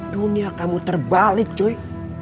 dunia kamu terbalik cuy